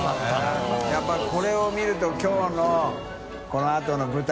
淵劵蹈漾やっぱこれを見るときょうのこのあとの舞台。